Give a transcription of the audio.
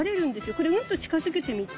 これうんと近づけてみて。